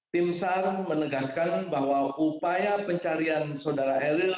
tim sar menegaskan bahwa upaya pencarian saudara eril